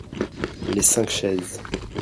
Les cinq chaises.